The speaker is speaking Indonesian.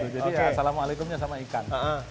jadi ya assalamualaikumnya sama ikan